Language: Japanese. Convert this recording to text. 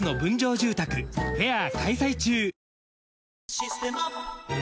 「システマ」